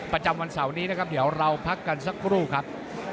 ประจำวันเสาร์นี้นะครับเดี๋ยวเราพักกันสักครู่ครับ